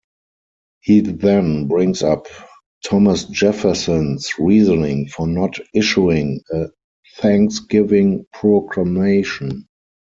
He then brings up Thomas Jefferson's reasoning for not issuing a Thanksgiving Proclamation.